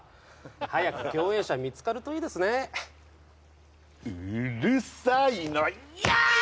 早く共演者見つかるといいですねうーるさいのよーっ！